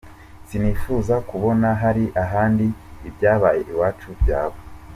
Sinifuza kubona hari ahandi ibyabaye iwacu byaba.